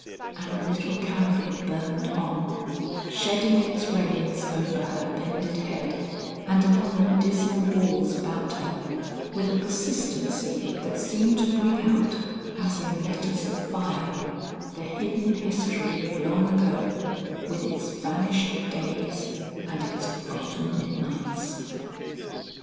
And the little candle burned on, shedding its rays over her bended head and upon the dismal walls about her, with a persistency that seemed to bring out, as in letters of fire, the hidden history of long ago, with its vanished days and its forgotten midnights.